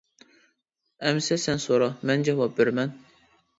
ئەمسە سەن سورا، مەن جاۋاب بېرىمەن.